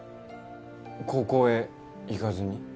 高校へ行かずに？